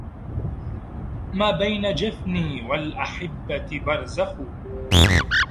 ما بين جفني والأحبة برزخ